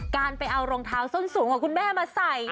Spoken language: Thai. การไปเอารองเท้าส้นสูงของคุณแม่มาใส่